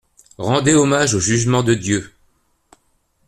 Rendez hommage au jugement de Dieu.